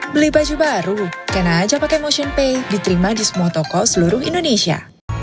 beli baju baru kena aja pake motionpay diterima di semua toko seluruh indonesia